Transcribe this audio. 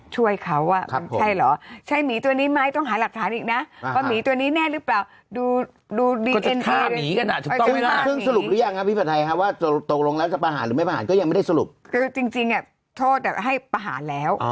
จริงโทษแบบให้ประหารแล้ว